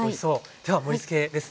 では盛りつけですね。